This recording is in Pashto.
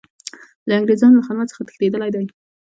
له انګریزانو له خدمت څخه تښتېدلی دی.